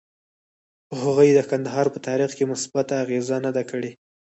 هغوی د کندهار په تاریخ کې مثبته اغیزه نه ده کړې.